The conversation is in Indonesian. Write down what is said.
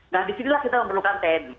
nah disinilah kita memerlukan tni